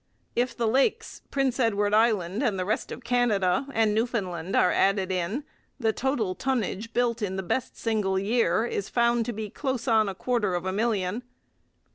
If the Lakes, Prince Edward Island, the rest of Canada, and Newfoundland are added in, the total tonnage built in the best single year is found to be close on a quarter of a million.